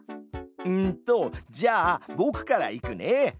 うんとじゃあぼくからいくね！